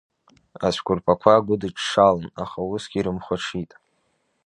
Ацәқәырԥақәа агәыдыҽҽалон, аха усгьы ирымхәаҽит.